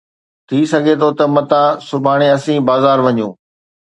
ٿي سگھي ٿو ته متان سڀاڻي اسين بازار وڃون